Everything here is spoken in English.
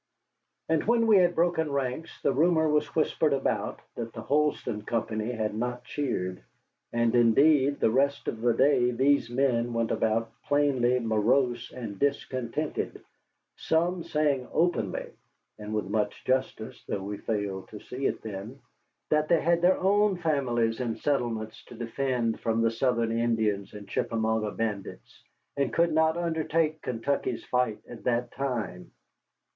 But when we had broken ranks the rumor was whispered about that the Holston company had not cheered, and indeed the rest of the day these men went about plainly morose and discontented, some saying openly (and with much justice, though we failed to see it then) that they had their own families and settlements to defend from the Southern Indians and Chickamauga bandits, and could not undertake Kentucky's fight at that time.